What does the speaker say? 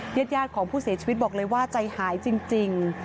ญาติของผู้เสียชีวิตบอกเลยว่าใจหายจริง